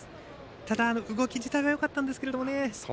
ただ、動き自体はよかったんですけどね。